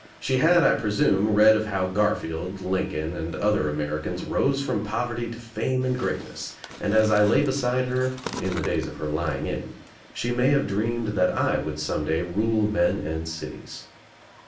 She had, I presume, read of how Garfield, Lincoln, and other Americans rose from poverty to fame and greatness and as I lay beside her — In the days of her lying in — she may have dreamed that I would some day rule men and cities.